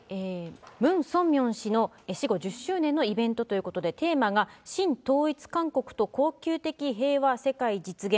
ムン・ソンミョン氏の死後１０周年のイベントということで、テーマが、神統一韓国と恒久的平和世界実現。